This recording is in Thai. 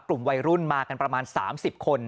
กลุ่มวัยรุ่นมากันประมาณ๓๐คน